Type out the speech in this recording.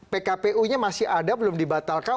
pkpu nya masih ada belum dibatalkan